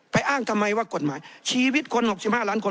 ไปอ้างทำไมว่ากฎหมายชีวิตคนหกสิบห้าล้านคน